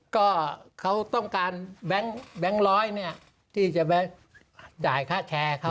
ก็เขาต้องการแบงค์ร้อยที่จะไปจ่ายค่าแชร์เขา